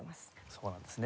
そうなんですね。